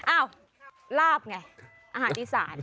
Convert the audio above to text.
อ้าวลาบไงอาหารอีสาน